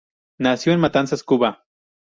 Nació en Matanzas, Cuba.